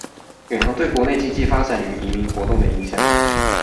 遠航對國內經濟發展與移民活動的影響